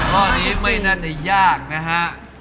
ข้อนี้ไม่น่าจะยากนะฮะ